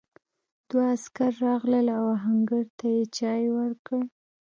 دوه عسکر راغلل او آهنګر ته یې چای ورکړ.